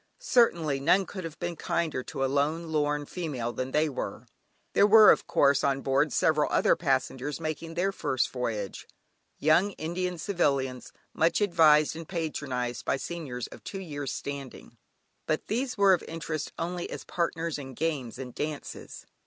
Certainly, none could have been kinder to a lone, lorn female than were they. There were, of course, on board several other passengers making their first voyage, young Indian Civilians much advised and patronised by seniors of two years standing, but these were of interest only as partners in games and dances.